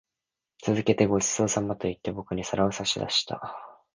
続けて、ご馳走様と言って、僕に皿を差し出した。